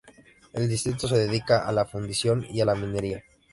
El distrito se dedica a la fundición y a la minería.